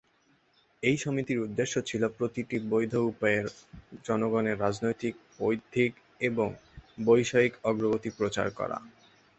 এই সমিতির উদ্দেশ্য ছিল "প্রতিটি বৈধ উপায়ে জনগণের রাজনৈতিক, বৌদ্ধিক এবং বৈষয়িক অগ্রগতি" প্রচার করা।